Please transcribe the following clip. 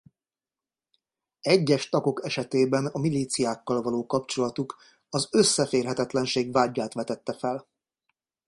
Egyes tagok esetében a milíciákkal való kapcsolatuk az összeférhetetlenség vádját vetette fel.